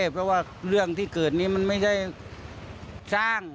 เพราะว่าเรื่องที่เกิดนี้มันไม่ใช่สร้าง